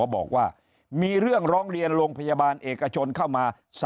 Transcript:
บอกว่ามีเรื่องร้องเรียนโรงพยาบาลเอกชนเข้ามา